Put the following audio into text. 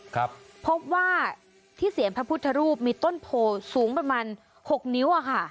ครับพบว่าที่เสียงพระพุทธรูปมีต้นโพสูงประมาณหกนิ้วอ่ะค่ะ